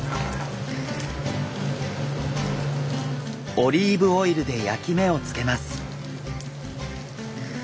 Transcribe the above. オリーブオイルで焼き目を付けます。